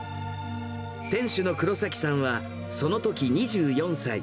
店主の黒崎さんは、そのとき２４歳。